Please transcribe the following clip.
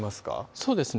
そうですね